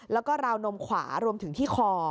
แล้วก็ราวนมขวารวมถึงที่คอ